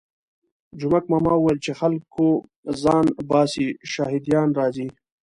جومک ماما ویل چې خلکو ځان باسئ شهادیان راځي.